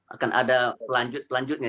akan ada lanjut lanjutnya